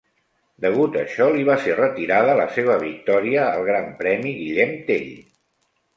Degut això li va ser retirada la seva victòria al Gran Premi Guillem Tell.